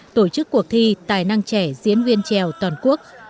tổ chức cuộc thi tài năng trẻ diễn viên trèo toàn quốc